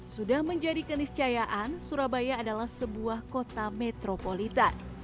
sudah menjadi keniscayaan surabaya adalah sebuah kota metropolitan